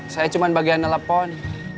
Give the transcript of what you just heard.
saya cuma bagian telepon